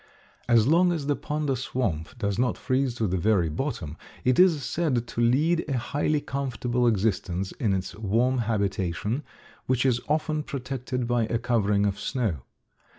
As long as the pond or swamp does not freeze to the very bottom it is said to lead a highly comfortable existence in its warm habitation, which is often protected by a covering of snow.